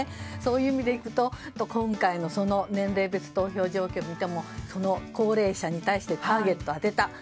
そういう意味でいくと今回の年齢別投票状況を見てもその高齢者に対してターゲットを当てた。